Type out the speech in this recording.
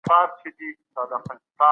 تر دغي کښۍ لاندي بله ډېره ګټوره کښۍ وه.